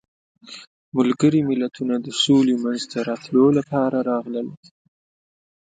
ملګري ملتونه د سولې منځته راتلو لپاره راغلل.